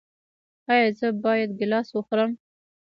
ایا زه باید ګیلاس وخورم؟